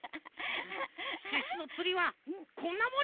シュッシュのつりはこんなもんじゃない！